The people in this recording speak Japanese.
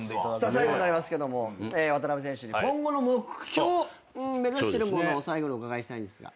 最後になりますけども渡邊選手に今後の目標目指してるものをお伺いしたいんですが。